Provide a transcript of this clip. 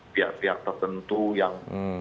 pihak pihak tertentu yang